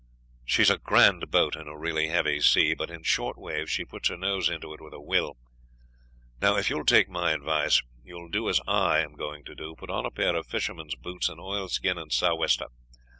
She is a grand boat in a really heavy sea, but in short waves she puts her nose into it with a will. Now, if you will take my advice, you will do as I am going to do; put on a pair of fisherman's boots and oilskin and sou'wester.